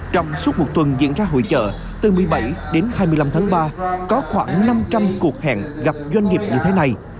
trong suốt một tuần diễn ra hội chợ từ một mươi bảy đến hai mươi năm tháng ba có khoảng năm trăm linh cuộc hẹn gặp doanh nghiệp như thế này